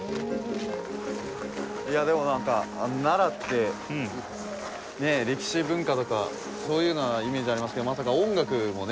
いやでもなんか奈良って歴史文化とかそういうようなイメージありますけどまさか音楽もね